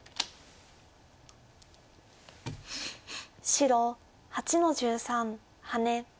白８の十三ハネ。